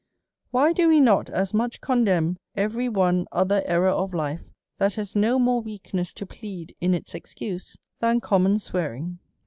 Why do we not * y ^{j iCas much condemn every one other error of life that .:/ /bas no more weakness to plead in its excuse than com /; mon swearing?